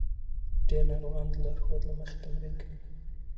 ډېر ناروغان د لارښود له مخې تمرین کوي.